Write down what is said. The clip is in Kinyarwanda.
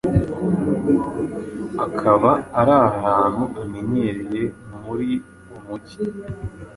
akaba ari ahantu amenyereye muri uwo mujyi.